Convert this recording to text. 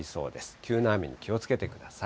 急な雨に気をつけてください。